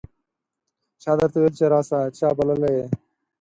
چا درته وویل چې راسه ؟ چا بللی یې